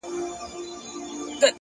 صبر د وخت ازموینه په بریا بدلوي.